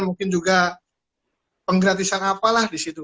mungkin juga penggratisan apalah di situ